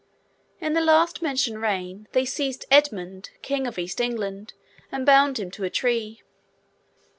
In the last mentioned reign, they seized Edmund, King of East England, and bound him to a tree.